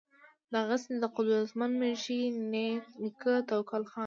دغسې د قدرمند منشي نيکۀ توکل خان